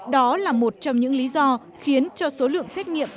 đó là một trong những lý do khiến cho số lượng xét nghiệm